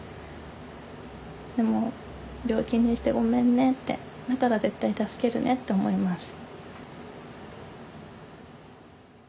でも「病気にしてごめんね」って「だから絶対助けるね」って思います。